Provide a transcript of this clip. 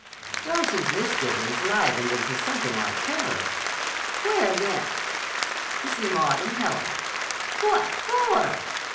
Darcy's misgivings livened into something like terror. "Where, then?" "To see Maud and Helen." "What for?"